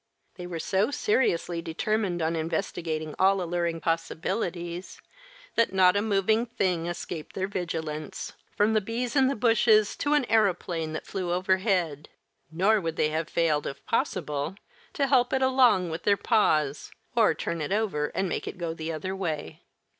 They were so seriously determined on investigating all alluring possibilities that not a moving thing escaped their vigilance, from the bees in the bushes to an aeroplane that flew overhead; nor would they have failed, if possible, to help it along with their paws or turn it over and make it go the other way.